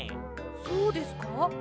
そうですか？